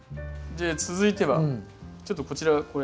続いてはちょっとこちらこれ。